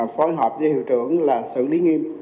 phối hợp với hiệu trưởng là xử lý nghiêm